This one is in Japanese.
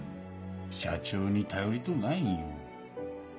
社長に頼りとうないんよ。